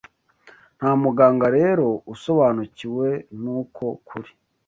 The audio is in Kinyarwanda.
Nta muganga rero usobanukiwe n’uko kuri